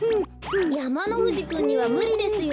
やまのふじくんにはむりですよ。